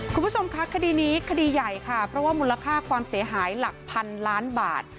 คุณผู้ชมคะคดีนี้คดีใหญ่ค่ะเพราะว่ามูลค่าความเสียหายหลักพันล้านบาท